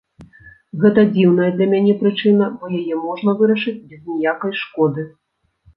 Гэта дзіўная для мяне прычына, бо яе можна вырашыць без ніякай шкоды.